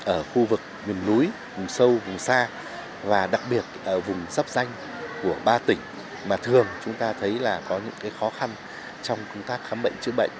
ở khu vực miền núi vùng sâu vùng xa và đặc biệt ở vùng sắp danh của ba tỉnh mà thường chúng ta thấy là có những khó khăn trong công tác khám bệnh chữa bệnh